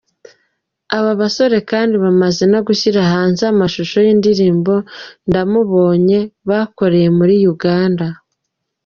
Aba basore kandi bamaze no gushyira hanze amashusho y’indirimbo ‘Ndamubonye’ bakoreye muri Uganda.